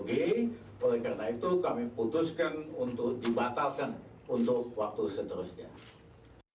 oleh karena itu kami putuskan untuk dibatalkan untuk waktu seterusnya